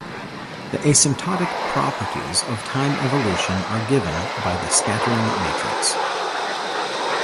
The asymptotic properties of time evolution are given by the scattering matrix.